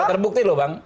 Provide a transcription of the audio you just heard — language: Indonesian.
gak terbukti loh bang